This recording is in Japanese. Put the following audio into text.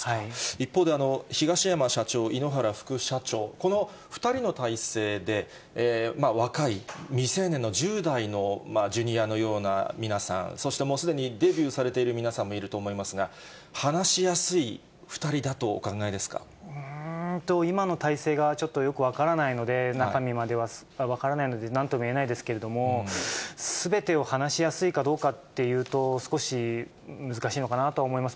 一方で、東山社長、井ノ原副社長、この２人の体制で、若い未成年の１０代のジュニアのような皆さん、そしてもうすでにデビューされている皆さんもいると思いますが、うーんと、今の体制がちょっとよく分からないので、中身までは分からないので、なんともいえないですけど、すべてを話しやすいかどうかっていうと、少し難しいのかなとは思います。